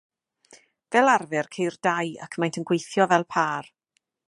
Fel arfer ceir dau, ac maent yn gweithio fel pâr.